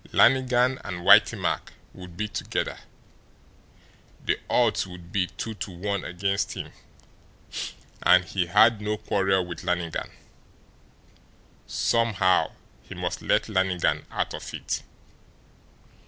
Lannigan and Whitey Mack would be together the odds would be two to one against him and he had no quarrel with Lannigan somehow he must let Lannigan out of it.